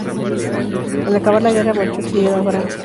Al acabar la guerra marchó exiliado a Francia.